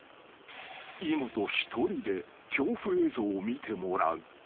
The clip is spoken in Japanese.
［井本一人で恐怖映像を見てもらう］